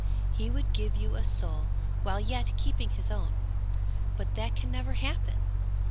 He would give you a soul while yet keeping his own. But that can never happen!